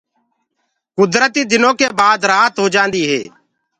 گُدرتي دنو ڪي بآد رآت هوجآندي هي۔